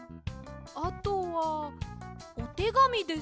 あとはおてがみです。